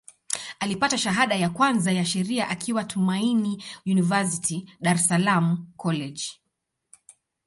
Alipata shahada ya kwanza ya Sheria akiwa Tumaini University, Dar es Salaam College.